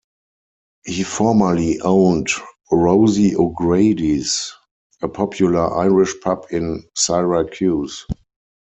He formerly owned "Rosie O'Grady's", a popular Irish pub in Syracuse.